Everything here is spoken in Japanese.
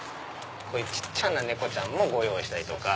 小っちゃな猫ちゃんもご用意したりとか。